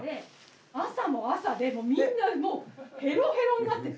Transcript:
朝も朝でもうみんなもうヘロヘロになってて。